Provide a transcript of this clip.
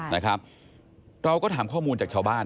นะครับเราก็ถามข้อมูลจากชาวบ้าน